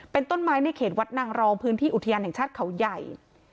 เป็นต้นไม้ในเขตวัดนางรองพื้นที่อุทยานแห่งชาติเขาใหญ่